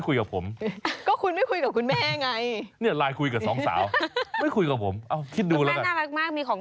ถ้าไม่มีเรื่องอะไรก็ไม่โทรมาหลบบ้าง